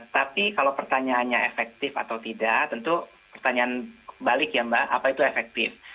tapi kalau pertanyaannya efektif atau tidak tentu pertanyaan balik ya mbak apa itu efektif